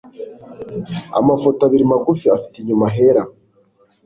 amafoto abiri magufa afite inyuma hera